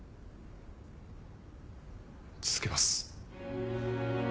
続けます。